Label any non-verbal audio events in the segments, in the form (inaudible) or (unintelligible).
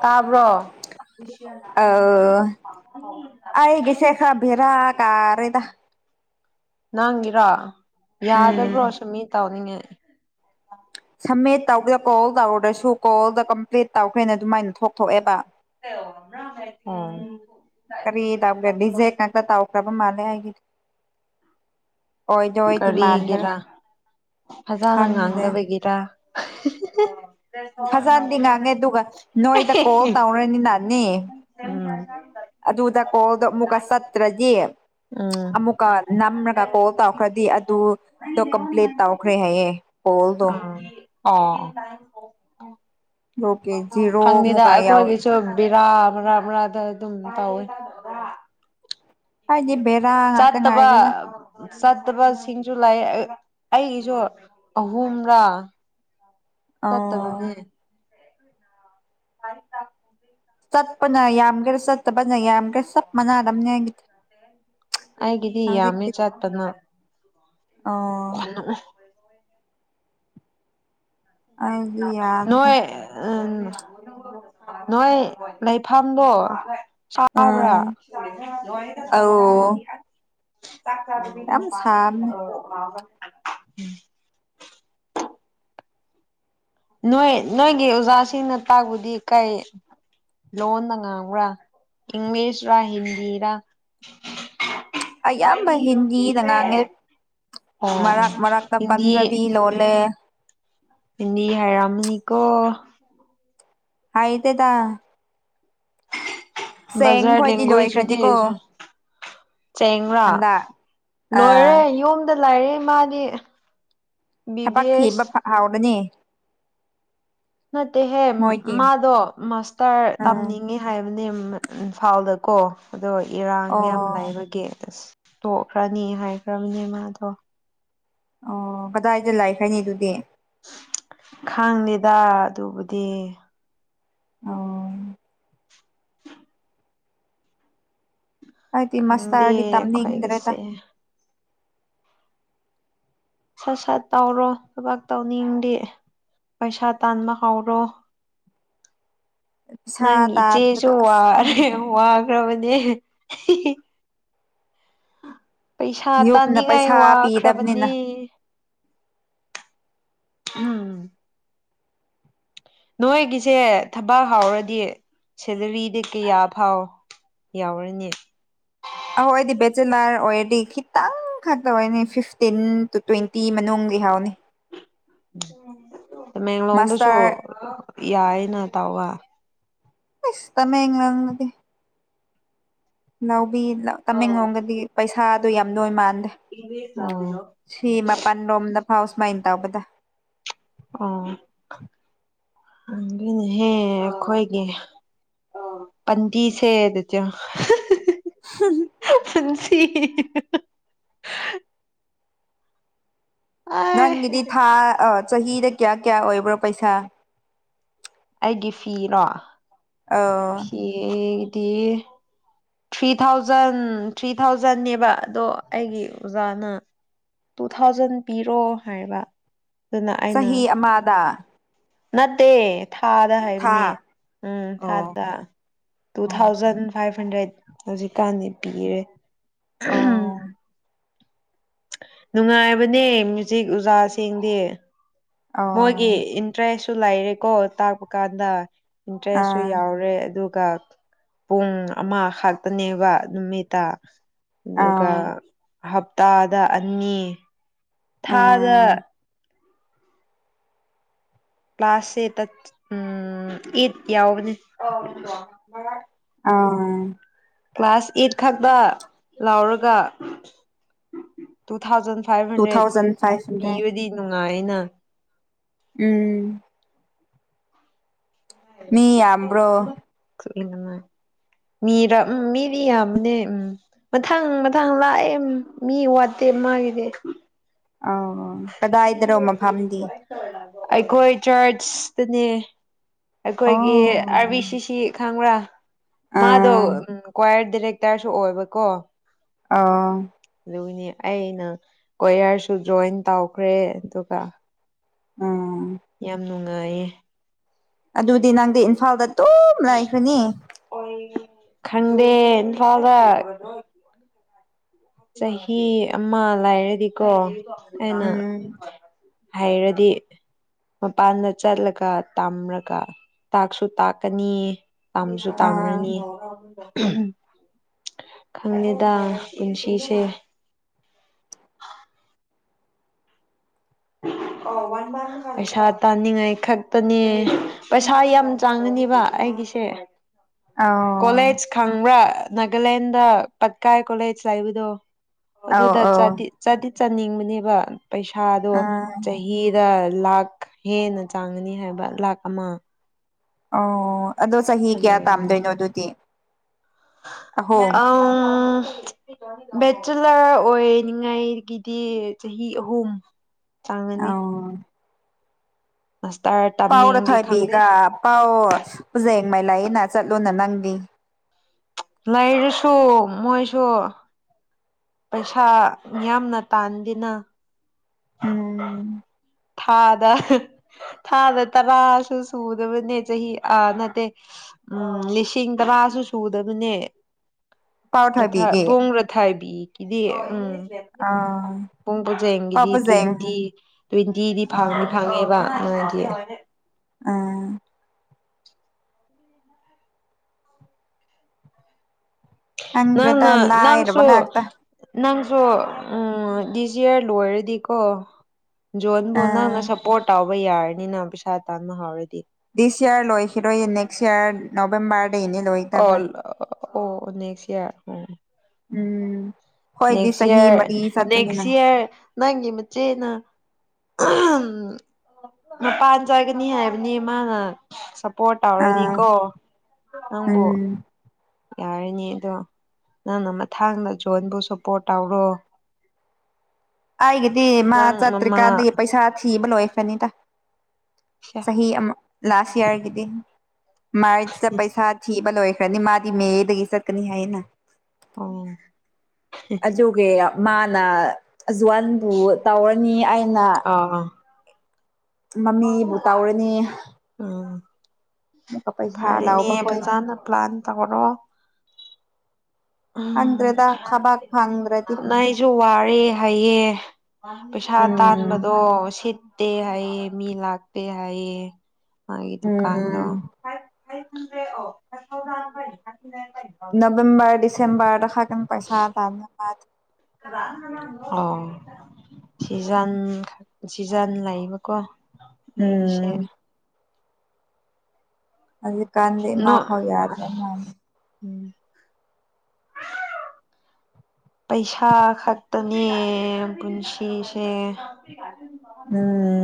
ꯇꯥꯕ꯭ꯔꯣ ꯑꯧ (unintelligible) ꯑꯩꯒꯤꯁꯦ ꯈꯔ ꯕꯦꯔꯥ ꯀꯥꯔꯦꯗ ꯅꯪꯒꯤꯔꯣ ꯌꯥꯗꯕ꯭ꯔꯣ ꯎꯝ ꯁꯨꯝꯃꯤ ꯇꯧꯅꯤꯡꯉꯦ ꯁꯝꯃꯤꯠ ꯇꯧꯕꯗ ꯀꯣꯜ ꯇꯧꯗ꯭ꯔꯁꯨ ꯀꯣꯜꯗ ꯀꯝꯄ꯭ꯂꯤꯠ ꯇꯧꯈ꯭ꯔꯦꯅ ꯑꯗꯨꯃꯥꯏꯅ ꯊꯣꯛ ꯊꯣꯛꯑꯦꯕ (unintelligible) ꯎꯝ ꯀꯔꯤ ꯇꯧꯒꯔ꯭ꯦ ꯔꯤꯖꯦꯛ ꯉꯥꯛꯇ ꯇꯥꯎꯈ꯭ꯔꯕ ꯃꯥꯜꯂꯦ ꯑꯩꯒꯤꯗꯤ ꯑꯣꯏꯗꯣꯏꯗꯤ ꯃꯥꯟꯗꯔ꯭ꯦ ꯀꯔꯤꯒꯤꯔꯥ ꯈꯟꯗ꯭ꯔꯦ ꯇꯔ꯭ꯥ ꯐꯖꯟꯅꯗꯤ ꯉꯥꯡꯉꯦ ꯗꯨꯒ ꯅꯣꯏꯗ ꯀꯣꯜ ꯇꯧꯔꯅꯤꯅꯥꯅꯦ ꯎꯝ ꯑꯗꯨꯗ ꯀꯣꯜꯗꯣ ꯑꯃꯨꯛꯀ ꯆꯠꯇ꯭ꯔꯗꯤ ꯑꯃꯨꯛꯀ ꯅꯝꯔꯒ ꯀꯣꯜ ꯇꯧꯈ꯭ꯔꯗꯤ ꯑꯗꯨ ꯗꯣ ꯀꯝꯄꯂ꯭ꯤꯠ ꯇꯧꯈꯔ꯭ꯦ ꯍꯥꯏꯌꯦ ꯀꯣꯜꯗꯣ ꯎꯝ ꯑꯣ ꯑꯗꯨꯒꯤ ꯖꯤꯔꯣ ꯈꯪꯗꯦꯗ ꯑꯃꯨꯛꯀ ꯌꯥꯎꯋꯦ ꯑꯩꯈꯣꯏꯒꯤꯁꯨꯨ ꯕꯤꯔꯥ ꯕꯔꯥ ꯕꯔꯥꯗ ꯑꯗꯨꯝ ꯇꯧꯋꯤ ꯍꯥꯏꯗꯤ ꯕꯦꯔꯥ ꯉꯥꯛꯇ ꯆꯥꯠꯇꯕ ꯉꯥꯏꯔꯦꯗ ꯆꯠꯇꯕꯁꯤꯡꯁꯨ ꯂꯩ ꯑ ꯑꯩꯒꯤꯁꯨ ꯑꯍꯨꯝꯔꯥ ꯑꯣ ꯆꯠꯇꯕꯅꯦ (unintelligible) ꯆꯠꯄꯅ ꯌꯥꯝꯒꯦꯔꯥ ꯆꯠꯇꯕꯅ ꯌꯥꯝꯒꯦꯔ ꯆꯞ ꯃꯅꯥꯔꯝꯅꯤ ꯑꯩꯒꯤꯗꯤ ꯑꯩꯒꯤꯗꯤ ꯌꯥꯝꯃꯦ ꯆꯠꯄꯅ ꯑꯥ ꯑꯩꯗꯤ ꯌꯥꯗ꯭ꯔꯦ ꯅꯣꯏ ꯎꯝ ꯅꯣꯏ ꯂꯩꯐꯝꯗꯣ ꯆꯥꯕ꯭ꯔꯥ ꯎꯝ ꯑꯧ ꯌꯥꯝ ꯁꯥꯕꯅꯦ (unintelligible) (unintelligible) ꯅꯣꯏ ꯅꯣꯏꯒꯤ ꯑꯣꯖꯥꯁꯤꯡꯅ ꯇꯥꯛꯄꯗꯤ ꯀꯩ ꯂꯣꯟꯗ ꯉꯥꯡꯕ꯭ꯔꯥ ꯏꯪꯂꯤꯁꯔꯥ ꯍꯤꯟꯗꯤꯔꯥ ꯑꯌꯥꯝꯕ ꯍꯤꯟꯗꯤꯗ ꯉꯥꯡꯉꯦ (unintelligible) ꯑꯣ ꯃꯔꯛ ꯃꯔꯛꯇ ꯍꯤꯟꯗꯤ ꯄꯟꯖꯕꯤ ꯂꯣꯜꯂꯦ ꯍꯤꯟꯗꯤ ꯍꯥꯏꯔꯝꯃꯅꯤꯀꯣ ꯍꯥꯏꯇꯦꯗ ꯆꯦꯡ ꯕꯖꯥꯔ ꯈꯣꯏꯗꯤ ꯂꯦꯡꯒ꯭ꯋꯦꯖꯇꯨꯗꯤ ꯂꯣꯏꯈ꯭ꯔꯅꯤꯀꯣ ꯆꯦꯡꯔꯥ ꯍꯟꯗꯛ ꯑꯥ ꯂꯣꯏꯔꯦ ꯌꯨꯝꯗ ꯂꯩꯔꯦ ꯃꯥꯗꯤ ꯕꯤ ꯕꯤ ꯊꯕꯛ ꯊꯤꯕ ꯑꯦꯁ ꯐ ꯍꯥꯎꯕꯅꯤ ꯅꯠꯇꯦꯍꯦ ꯃꯥꯗꯣ ꯃꯥꯁ ꯇꯔ ꯎꯝ ꯇꯝꯅꯤꯡꯉꯦ ꯍꯥꯏꯕꯅꯦ ꯏꯝꯐꯥꯜꯗꯀꯣ ꯑꯗꯣ ꯏꯔꯥꯡ ꯑꯣ ꯌꯥꯝ ꯂꯩꯕꯒꯤ ꯑꯁ ꯇꯣꯛꯈ꯭ꯔꯅꯤ ꯍꯥꯏꯈ꯭ꯔꯕꯅꯦ ꯃꯥꯗꯣ ꯑꯣ ꯀꯗꯥꯏꯗ ꯂꯩꯈ꯭ꯔꯅꯤ ꯑꯗꯨꯗꯤ ꯈꯡꯗꯦꯗꯥ ꯑꯗꯨꯕꯨꯗꯤ ꯑꯣ ꯑꯩꯗꯤ ꯈꯪꯗꯦ ꯃꯥꯁꯇꯔꯗꯤ ꯇꯝꯅꯤꯡꯗ꯭ꯔꯦꯗ ꯑꯩꯈꯣꯏꯒꯤꯁꯦ ꯁꯠ ꯁꯠ ꯇꯧꯔꯣ ꯊꯕꯛ ꯇꯧꯅꯤꯡꯗꯤ ꯄꯩꯁꯥ ꯇꯥꯟꯕ ꯍꯧꯔꯣ (inaudible) ꯄꯩꯁꯥ ꯅꯪꯒꯤ ꯏꯆꯦꯁꯨ ꯇꯥꯟꯕꯗꯣ ꯋꯥ ꯑꯁ ꯈꯪꯒꯅꯤ ꯋꯥꯈ꯭ꯔꯕꯅꯦ ꯄꯩꯁꯥ ꯌꯨꯝꯅ ꯇꯥꯅꯤꯡꯉꯥꯏ ꯄꯩꯁꯥ ꯄꯤꯗꯕꯅꯤꯅ ꯋꯥꯈ꯭ꯔꯕꯅꯤ ꯎꯝ ꯅꯣꯏꯒꯤꯁꯦ ꯊꯕꯥꯛ ꯍꯥꯎꯔꯗꯤ ꯁꯦꯂꯥꯔꯤꯗꯤ ꯀꯌꯥ ꯐꯥꯎ ꯌꯥꯎꯔꯅꯤ ꯑꯥꯎ ꯑꯩꯗꯤ ꯕꯦꯆꯦꯂꯔ ꯑꯣꯏꯔꯗꯤ ꯈꯤꯇꯪ ꯈꯛꯇ ꯑꯣꯏꯅꯤ ꯐꯤꯐꯇꯤꯟ ꯇꯨ ꯇ꯭ꯋꯦꯟꯇꯤ ꯃꯅꯨꯡ ꯍꯧꯅꯤ ꯇꯃꯦꯡꯂꯣꯡꯗꯁꯨ ꯃꯥꯁꯇꯔ ꯌꯥꯏꯌꯦꯅ ꯇꯧꯕ ꯏꯁ ꯇꯃꯦꯡꯂꯣꯡꯗꯗꯤ ꯂꯧꯕꯤ ꯇꯃꯦꯡꯂꯣꯡꯗꯥꯗꯤ ꯄꯩꯁꯥꯗꯣ ꯌꯥꯝ ꯗꯣꯏ ꯃꯥꯟꯗꯦ ꯑꯣ (unintelligible) ꯁꯤ ꯃꯄꯜ ꯔꯣꯝꯗ ꯐꯥꯎ ꯁꯨꯃꯥꯏ ꯇꯧꯕꯗ ꯑꯣ ꯑꯗꯨꯅꯦꯍꯦ ꯑꯩꯈꯣꯏꯒꯤ ꯄꯟꯗꯤꯁꯦꯗ ꯆꯣ (unintelligible) ꯍꯨꯝ (unintelligible) ꯄꯨꯆ (unintelligible) ꯅꯪꯒꯤꯗꯤ ꯑꯩꯒꯤ ꯊꯥ ꯆꯍꯤꯗ ꯀꯌꯥ ꯀꯌꯥ ꯑꯣꯏꯕ꯭ꯔꯣ ꯄꯩꯁꯥ ꯑꯩꯒꯤ ꯐꯤꯔꯣ ꯑꯧ ꯑꯦ ꯏꯗꯤ (unintelligible) ꯊ꯭ꯔꯤ ꯊꯥꯎꯖꯟ ꯊ꯭ꯔꯤ ꯊꯥꯎꯖꯟꯅꯦꯕ ꯑꯗꯣ ꯑꯩꯒꯤ ꯑꯣꯖꯥꯅ ꯇꯨ ꯊꯥꯎꯖꯟ ꯄꯤꯔꯣ ꯍꯥꯏꯕ ꯑꯗꯨꯅ ꯑꯩꯅ ꯆꯍꯤ ꯑꯃꯥꯗ ꯅꯠꯇꯦ ꯊꯥꯗ ꯊꯥ ꯍꯥꯏꯕꯅꯦ ꯑꯣ ꯊꯥꯗ ꯇꯨ ꯑꯣ ꯊꯥꯎꯖꯟ ꯐꯏꯚ ꯍꯟꯗ꯭ꯔꯦꯗ ꯍꯧꯖꯤꯛꯀꯥꯟꯗꯤ ꯄꯤꯔꯦ ꯑꯣ ꯅꯨꯡꯉꯥꯏꯕꯅꯦ ꯃꯨ꯭ꯖꯤꯛ ꯎꯖꯥ ꯁꯤꯡꯗꯤ ꯑꯣ ꯃꯣꯏꯒꯤ ꯏꯟꯇꯔꯦꯁꯁꯨ ꯂꯩꯔꯦꯀꯣ ꯇꯥꯛꯄ ꯀꯥꯟꯗ ꯏꯟꯇꯔꯦꯁꯁꯨ ꯑꯥ ꯌꯥꯎꯔꯦ ꯑꯗꯨ ꯄꯨꯡ ꯑꯃ ꯈꯥꯛꯇꯅꯦꯕ ꯅꯨꯃꯤꯠꯇ ꯑꯥ ꯑꯗꯨꯒ ꯍꯞꯇꯥꯗ ꯑꯅꯤ ꯊꯥꯗ ꯑꯥ ꯀ꯭ꯂꯥꯁꯁꯦ ꯑꯩꯏꯠ ꯌꯥꯎꯕꯅꯦ ꯑꯥꯝ ꯀ꯭ꯂꯥꯁ ꯑꯦꯠ ꯈꯛꯗꯥ ꯂꯥꯎꯔꯒ two thousand five two hundred thousand five hundred ꯄꯤꯔꯗꯤ ꯅꯨꯡꯉꯥꯏꯅ ꯎꯝ ꯃꯤ ꯌꯥꯝꯕ꯭ꯔꯣ ꯃꯤꯔꯥ ꯎꯝ ꯃꯤꯗꯤ ꯌꯥꯝꯕꯅꯦ ꯎꯝ ꯃꯊꯪ ꯃꯊꯪ ꯂꯥꯛꯑꯦ ꯃꯤ ꯋꯥꯠꯇꯦ ꯃꯥꯒꯤꯗꯤ ꯀꯗꯥꯏꯗꯔꯣ ꯃꯐꯝꯗꯤ ꯑꯩꯈꯣꯏ ꯆ꯭ꯔꯆ ꯇꯅꯦ ꯑꯩꯈꯣꯏꯒꯤ ꯑꯣ ꯑꯥꯔꯕꯤ ꯁꯤꯁꯤ ꯈꯪꯕ꯭ꯔꯥ ꯃꯥꯗꯣ ꯑꯥ (unintelligible) ꯔꯦꯇꯥ꯭ꯔꯁꯨ ꯑꯣꯏꯕꯀꯣ ꯑꯥ ꯑꯗꯨꯅꯦ ꯑꯩꯅꯥ ꯀꯣꯌꯔꯁꯨ ꯖꯣꯏꯟ ꯇꯧꯈ꯭ꯔꯦ ꯑꯗꯨꯒ ꯑꯥ (inaudible) ꯌꯥꯝ ꯅꯨꯡꯉꯥꯏꯌꯦ ꯑꯗꯨꯗꯤ ꯅꯪꯗꯤ ꯏꯝꯐꯥꯜꯗ ꯇꯨꯝ ꯂꯩꯈ꯭ꯔꯅꯤ ꯈꯪꯗꯦ ꯏꯝꯐꯥꯜꯗ ꯆꯍꯤ ꯑꯃ ꯂꯩꯔꯗꯤꯀꯣ ꯑꯩꯅ ꯎꯝ ꯍꯥꯏꯔꯗꯤ ꯃꯄꯥꯟꯗ ꯆꯠꯂꯒ ꯇꯝꯔꯒ ꯇꯥꯛꯁꯨ ꯇꯥꯛꯀꯅꯤ ꯇꯝꯁꯨ ꯑꯥ ꯇꯥꯝꯔꯅꯤ ꯈꯪꯗꯦꯗ ꯄꯨꯟꯁꯤ ꯏꯁꯦ ꯄꯩꯁꯥ ꯇꯥꯅꯤꯡꯉꯥꯏ ꯈꯛꯇꯅꯦ ꯄꯩꯁꯥ ꯌꯥꯝ ꯆꯪꯒꯅꯦꯕ ꯑꯩꯒꯤꯁꯦ ꯑꯧ ꯀꯣꯂꯦꯖ ꯈꯪꯕ꯭ꯔꯥ ꯅꯥꯒꯥꯂꯦꯟꯗ ꯄꯠꯀꯥꯏ ꯀꯣꯂꯦꯖ ꯂꯩꯕꯗꯣ? ꯑꯧ ꯑꯗꯨꯗ ꯑꯧ ꯆꯠꯇꯤ ꯆꯠꯇꯤ ꯆꯠꯅꯤꯡꯕꯅꯦꯕ ꯑꯗꯨꯗ ꯄꯩꯁꯥꯗꯣ ꯑꯥ ꯆꯍꯤꯗ ꯂꯥꯛ ꯍꯦꯟꯅ ꯆꯥꯡꯒꯅꯤ ꯍꯥꯏꯕ ꯂꯥꯛ ꯑꯃ ꯑꯣ! ꯑꯗꯣ ꯆꯍꯤ ꯑꯗꯨ ꯀꯌꯥ ꯇꯥꯝꯗꯣꯏꯅꯣ ꯑꯗꯨꯗꯤ? ꯑꯍꯨꯝ ꯑꯝ ꯕꯦꯆꯤꯂꯔ ꯑꯣꯏꯅꯤꯡꯉꯥꯏꯒꯤꯗꯤ ꯆꯍꯤ ꯑꯍꯨꯝ ꯆꯪꯉꯅꯤ ꯑꯧ ꯑꯁ ꯇꯥꯔꯠꯇ ꯄꯥꯎꯔ ꯊꯣꯏꯕꯤꯒ ꯄꯥꯎ ꯄꯨꯖꯦꯡ ꯃꯥꯏ ꯂꯥꯏꯅ ꯆꯠꯂꯨꯅ ꯅꯪꯗꯤ ꯂꯩꯔꯁꯨ ꯃꯣꯏꯁꯨ ꯄꯩꯁꯥ ꯌꯥꯝꯅ ꯇꯥꯟꯗꯦꯅ ꯎꯝ ꯊꯥꯗ ꯊꯥꯗ ꯇꯔꯥꯁꯨ ꯁꯨꯗꯕꯅꯦ ꯆꯍꯤ ꯑꯥ ꯅꯠꯇꯦ ꯎꯝ ꯂꯤꯁꯤꯡ ꯇꯔꯥꯁꯨ ꯁꯨꯗꯕꯅꯦ ꯄꯥꯎ ꯔꯊꯥ ꯊꯣꯏꯕꯤꯒꯤ ꯕꯣꯡ ꯔꯊꯥꯏꯕꯤ ꯀꯤꯗꯦ ꯎꯝ ꯑꯥ ꯄꯨꯡ ꯑꯣ ꯄꯣꯖꯦꯡꯒꯤꯗꯤ ꯄꯖꯦꯡ ꯇ꯭ꯋꯦꯟꯇꯤ ꯇ꯭ꯋꯦꯟꯇꯤꯗꯤ ꯐꯪꯗꯤ ꯑꯥ ꯐꯪꯉꯦꯕ ꯑꯗꯨꯗꯤ ꯑ ꯅꯛꯑꯦ ꯈꯪꯗ꯭ꯔꯦꯗ ꯅꯪꯅ ꯂꯥꯏꯔꯕ ꯅꯪꯁꯨ ꯉꯥꯛꯇ ꯅꯪꯁꯨ ꯗꯤꯁ ꯏꯌꯥꯔ ꯂꯣꯏꯔꯗꯤꯀꯣ ꯖꯣꯟꯕꯨ ꯑꯥ ꯅꯪꯅ ꯁꯞꯄꯣꯔꯠ ꯇꯧꯕ ꯌꯥꯔꯅꯤꯅ ꯄꯩꯁꯥ ꯇꯥꯟꯕ ꯍꯧꯔꯗꯤ ꯗꯤꯁ ꯏꯔ ꯂꯣꯏꯈꯤꯔꯣꯏꯌꯦ ꯅꯦꯛꯁ ꯏꯔ ꯅꯕꯦꯝꯕꯔꯗꯩꯩꯅꯦ ꯂꯣꯏ ꯑꯣ ꯑꯣ ꯅꯦꯛꯁ ꯏꯔ ꯑꯣ ꯎꯝ ꯍꯣꯏꯗꯤ ꯅꯦꯛꯁ ꯆꯍꯤ ꯏꯌꯔ ꯃꯔꯤ ꯅꯦꯛꯁ ꯆꯠꯄꯅꯤꯅ ꯏꯌꯔ ꯅꯪꯒꯤ ꯅꯆꯦꯅ ꯑꯥꯝ ꯃꯄꯥꯟ ꯆꯥꯒꯅꯤ ꯍꯥꯏꯕꯅꯤ ꯃꯥꯅ ꯁꯞꯄꯣꯔꯠ ꯑꯥ ꯇꯧꯔꯗꯤꯀꯣ ꯅꯪꯕꯨ ꯎꯝ ꯌꯥꯔꯅꯤ ꯑꯗꯣ ꯅꯪꯅꯥ ꯃꯊꯥꯡꯗ ꯖꯣꯟꯕꯨ ꯁꯞꯄꯣꯔꯠ ꯇꯧꯔꯣ ꯑꯩꯒꯤꯗꯤ ꯃꯥ ꯅꯪ ꯃꯃꯥ ꯆꯠꯇ꯭ꯔꯤꯀꯥꯟꯗꯒꯤ ꯄꯩꯁꯥ ꯊꯤꯕ ꯂꯣꯏꯈ꯭ꯔꯅꯤꯗ ꯆꯍꯤ ꯑꯃ ꯂꯥꯁ ꯏꯌꯥꯔꯒꯤꯗꯤ ꯃꯥꯔꯆꯇ ꯄꯩꯁꯥ ꯊꯤ ꯕ ꯂꯣꯏꯈ꯭ꯔꯅꯤ ꯃꯥꯗꯤ ꯃꯦꯗꯒꯤ ꯆꯠꯀꯅꯤ ꯍꯥꯏꯌꯦꯅ ꯎꯝ ꯑꯗꯨꯒꯤꯔꯥ ꯃꯥꯅ ꯑꯖꯋꯥꯟ ꯑꯣ ꯇꯧꯔꯅꯤ ꯑꯩꯅ ꯑꯥ ꯑ ꯃꯃꯤꯕꯨ ꯇꯧꯔꯅꯤ ꯎꯝ ꯑꯃꯨꯛꯀ ꯄꯩꯁꯥ ꯐꯔꯦꯅꯦ ꯂꯥꯎꯕ ꯈꯣꯏ ꯑꯗꯨꯗ ꯍꯥꯟꯅꯥ ꯄ꯭ꯂꯥꯟ ꯇꯧꯔꯣ ꯑꯪꯗ꯭ꯔꯦꯗ ꯙꯕꯛ ꯅꯥꯏꯖꯨ ꯋꯥꯔꯦ ꯍꯥꯏꯌꯦ ꯄꯩꯁꯥ ꯎꯝ ꯇꯥꯟꯕꯗꯣ ꯁꯤꯠ ꯇꯦ ꯍꯥꯏꯌꯦ ꯃꯤ ꯂꯥꯛꯇꯦ ꯍꯥꯏꯌꯦ ꯃꯥꯒꯤ ꯗꯨꯀꯥꯟꯗꯣ ꯎꯝ ꯐꯥꯏꯚ ꯐꯥꯏꯚ ꯍꯟꯗ꯭ꯔꯦ ꯑꯣ five thousand five five hundred five November ꯗꯤꯁꯦꯝꯕꯔꯗ ꯈꯇꯪ ꯄꯩꯁꯥ ꯄꯥꯝꯃꯦ (unintelligible) ꯑꯣ ꯁꯤꯖꯟꯈ ꯁꯤꯖꯟ ꯂꯩꯕꯀꯣ ꯑꯩꯒꯤꯁꯦ ꯎꯝ ꯑꯜꯂꯤꯞ ꯅꯣ ꯑ ꯄꯩꯁꯥ ꯈꯛꯇꯅꯦ ꯄꯨꯟꯁꯤꯁꯦ (unintelligible) ꯎꯝ..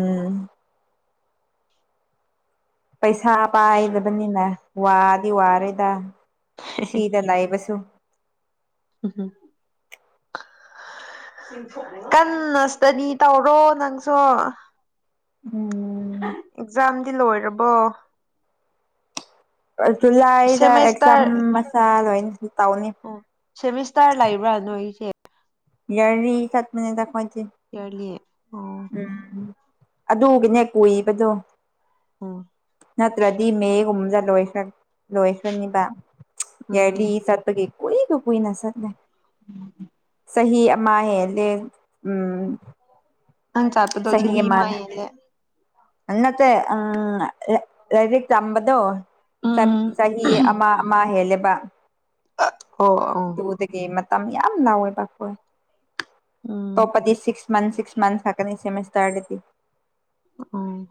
ꯄꯩꯁꯥ ꯄꯥꯏꯕꯗꯅꯤꯅꯦ ꯋꯥꯗꯤ ꯋꯥꯔꯦꯗ ꯁꯤꯗ ꯂꯩꯕꯁꯨ ꯎꯝꯍꯨꯝ ꯀꯟꯅ ꯏ꯭ꯁꯇꯗꯤ ꯇꯧꯔꯣ ꯅꯪꯁꯨ ꯎꯝ ꯑꯦꯛꯖꯥꯝꯗꯤ ꯂꯣꯏꯔꯕꯣ ꯖꯨꯂꯥꯏꯗ ꯑꯦꯛꯖꯥꯝ ꯁꯦꯃꯦꯁꯇꯔ ꯃꯆꯥ ꯂꯣꯏꯅ ꯇꯧꯅꯤ ꯁꯦꯃꯤꯁꯇꯥꯔ ꯂꯩꯕ꯭ꯔꯥ ꯅꯣꯏꯁꯦ ꯌꯥꯔꯤ ꯆꯠ ꯄꯅꯤꯗ ꯈꯣꯏꯗꯤ ꯌꯥꯔꯂꯤ ꯑꯣ ꯎꯝ ꯑꯗꯨꯒꯤꯅꯦ ꯀꯨꯏꯕꯗꯣ ꯑꯣ ꯅꯠꯇ꯭ꯔꯗꯤ ꯃꯦꯒꯨꯝꯕꯗ ꯂꯣꯏꯈ꯭ꯔ ꯂꯣꯏꯈ꯭ꯔꯅꯤꯕ ꯌꯥꯔꯂꯤ ꯎꯝ ꯆꯠ ꯄꯒꯤ ꯀꯨꯏꯅ ꯀꯨꯏꯅ ꯆꯠꯅꯦ (unintelligible) ꯆꯍꯤ ꯑꯃ ꯍꯦꯜꯂꯦ ꯎꯝ ꯑꯪ ꯆꯥꯠꯄꯗꯣ ꯆꯍꯤ ꯑꯃ ꯌꯦꯂꯦ ꯑ ꯅꯠꯇꯦ ꯑ... ꯂꯥꯏꯔꯤꯛ ꯇꯝꯕꯗꯣ ꯁꯝ ꯎꯝ ꯆꯍꯤ ꯑꯃ ꯑꯃ ꯍꯦꯜꯂꯦꯕ ꯑꯣ ꯑꯣ ꯑꯗꯨꯗꯒꯤ ꯃꯇꯝ ꯌꯥꯝ ꯂꯥꯎꯋꯦꯕꯀꯣ ꯎꯝ ꯑꯇꯣꯞꯄꯗꯤ ꯁꯤꯛꯁ ꯃꯟꯊ ꯁꯤꯛꯁ ꯃꯟꯊ ꯈꯛꯇꯅꯦ ꯁꯦꯃꯤꯁꯇꯔꯗꯗꯤ ꯑꯣꯑꯣ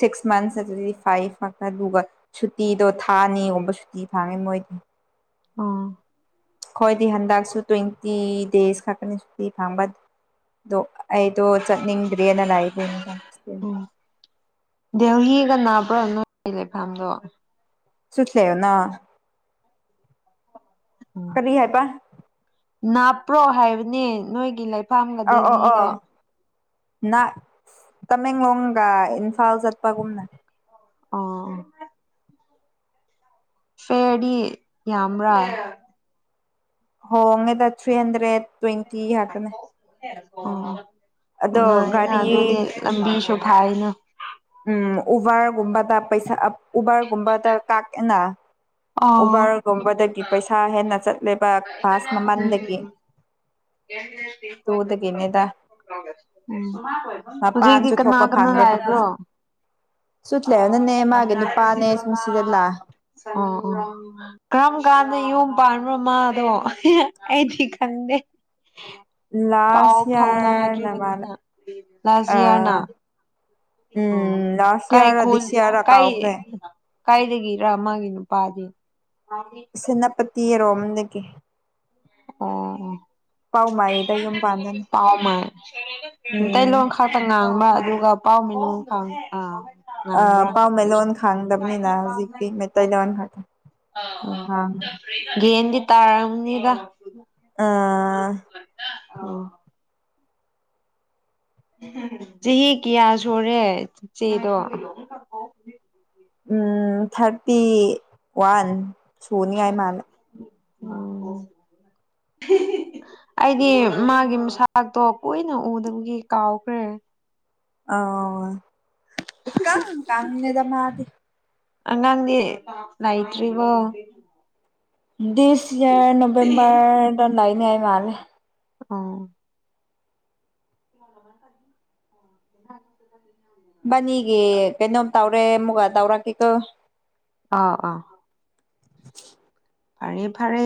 ꯁꯤꯛꯁ ꯃꯟꯊ ꯑꯗꯨꯗꯤ ꯐꯥꯏꯐ (unintelligible) ꯁꯨꯇꯤꯗꯣ ꯊꯥꯑꯅꯤꯒꯨꯝꯕ ꯁꯨꯇꯤ ꯊꯥꯡꯅꯤ ꯃꯣꯏꯗꯤ ꯑꯣ ꯈꯣꯏꯗꯤ ꯍꯟꯗꯛꯁꯨ ꯇ꯭ꯋꯦꯟꯇꯤ ꯗꯦꯁ ꯈꯛꯀꯅꯤ ꯁꯨꯇꯤ ꯐꯪꯕ ꯗꯣ ꯑꯩꯗꯣ ꯆꯠꯅꯤꯡꯗ꯭ꯔꯦꯅ ꯂꯥꯏꯕꯅꯤꯗ ꯎꯝ ꯗꯦꯜꯍꯤꯒ ꯅꯥꯕ꯭ꯔꯣꯅ ꯂꯩꯐꯝꯥꯗꯣ ꯁꯨꯠꯂꯔ ꯅ ꯎꯝ ꯀꯔꯤ ꯍꯥꯏ ꯄ ꯅꯥꯞꯄ꯭ꯔꯣ ꯍꯥꯏꯕꯅꯦ ꯅꯣꯏꯒꯤ ꯂꯩ ꯑꯧ ꯑꯣ ꯑꯣ ꯅꯠ ꯇꯃꯦꯡꯂꯣꯡꯒ ꯏꯝꯐꯥꯜ ꯆꯠꯄꯒꯨꯝꯅ ꯑꯣ ꯐꯦꯗꯤ ꯌꯥꯝꯕ꯭ꯔꯥ ꯍꯣꯡꯉꯦꯗ ꯊ꯭ꯔꯤ ꯍꯟꯗ꯭ꯔꯦꯠ ꯇ꯭ꯋꯦꯟꯇꯤ ꯍꯥꯏꯥꯛꯇꯅꯦ ꯑꯣꯉꯥꯏꯅ ꯒꯥꯔꯤ ꯑꯗꯨꯗꯤ ꯂꯝꯕꯤꯁꯨ ꯐꯥꯏꯅ ꯎꯝ ꯎꯕꯔꯒꯨꯝꯕꯗ ꯄꯩꯁꯥ ꯎꯕꯔꯒꯨꯝꯕꯗ ꯀꯥꯛꯑꯦꯅ ꯑꯣ ꯎꯝ ꯎꯕꯔꯒꯨꯝꯕꯗꯒꯤ ꯄꯩꯁꯥ ꯍꯦꯟꯅ ꯆꯠꯂꯦꯕ ꯚꯥꯁ ꯃꯃꯜꯗꯒꯤ ꯇꯨꯗꯒꯤꯅꯦꯗ (unintelligible) ꯎꯝ ꯃꯄꯥꯟꯁꯨ ꯍꯧꯖꯤꯛꯗꯤ ꯀꯅꯥ ꯊꯣꯛꯄ ꯀꯅꯥ ꯂꯥꯏꯕ꯭ꯔꯣ ꯁꯨꯠꯂꯦꯕꯅꯅꯦ ꯃꯥꯒꯤ ꯅꯨꯄꯥꯅꯦ ꯁꯨꯝ ꯁꯤꯖꯤꯜꯂ ꯑꯣ ꯑꯣ ꯀꯔꯝ ꯀꯥꯟꯗ ꯌꯨꯝ ꯄꯥꯟꯕꯅꯣ ꯃꯥꯗꯣ ꯑꯩꯗꯤ ꯈꯗꯦ ꯄꯥꯎ ꯂꯥꯁ ꯌꯥꯔꯅ ꯃꯥꯜꯂꯦ ꯐꯥꯎꯅꯗ꯭ꯔꯤꯕꯅꯤꯅ ꯑ ꯂꯥꯖꯤꯌꯥꯔꯅ ꯎ ꯎꯝ ꯂꯥꯁ ꯀꯥꯏ ꯌꯥꯔ ꯔ ꯈꯣꯜ ꯗꯤꯁ ꯌꯥꯔ ꯔ ꯀꯥꯏ ꯀꯥꯎꯈ꯭ꯔꯦ ꯀꯥꯏꯗꯒꯤꯔ ꯃꯥꯒꯤ ꯅꯨꯄꯥꯗꯤ ꯁꯦꯅꯥꯄꯇꯤ ꯌꯥꯔꯣꯝꯗꯒꯤ ꯑꯣ ꯄꯥꯎꯃꯥꯏꯗ ꯌꯨꯝ ꯄꯥꯟꯗꯅꯤ ꯄꯥꯎ ꯃꯥꯥꯏ ꯎꯝ ꯃꯤꯇꯩꯂꯣꯟ ꯈꯛꯇ ꯉꯥꯡꯕ ꯑꯗꯨꯒ ꯄꯥꯎ ꯃꯤꯅ ꯑꯥ ꯑ ꯉꯥꯡꯕ꯭ꯔꯥ ꯄꯥꯎꯃꯦꯂꯣꯟ ꯈꯥꯡꯗꯕꯅꯤꯅ ꯍꯧꯖꯤꯛꯇꯤ ꯃꯩꯇꯩ ꯂꯦꯟꯑ ꯒꯦꯝꯗꯤ ꯇꯥꯔꯝꯅꯤꯗ ꯑ ꯑꯣ ꯆꯍꯤ ꯀꯌꯥ ꯁꯨꯔꯦ ꯆꯦꯗꯣ ꯎ ꯊꯥꯔꯇꯤ ꯋꯥꯟ ꯁꯨꯅꯤꯉꯥꯏ ꯃꯥꯜꯂꯦ ꯎꯝ ꯑꯩꯗꯤ ꯃꯥꯒꯤ ꯃꯁꯥꯛꯇꯣ ꯀꯨꯏꯅ ꯎꯗꯕꯒꯤ ꯀꯥꯎꯈ꯭ꯔꯦ ꯑ ꯏꯀꯛ ꯀꯛꯋꯦꯗ ꯃꯥꯗꯤ ꯑꯉꯥꯡꯗꯤ ꯂꯏꯇ꯭ꯔꯤꯔꯤꯕꯣ ꯗꯤꯁ ꯌꯥꯔ ꯅꯕꯦꯝꯕꯔꯗ ꯂꯩꯅꯦꯉꯏ ꯃꯥꯂꯦ ꯑꯣ (unintelligible) ꯕꯅꯤꯒꯦ ꯀꯩꯅꯣꯝ ꯇꯧ꯭ꯔꯦ ꯃꯨꯒ ꯇꯧ꯭ꯔꯛꯀꯦꯀꯣ ꯑꯥ ꯑꯥ ꯐꯔꯦ ꯐꯔꯦ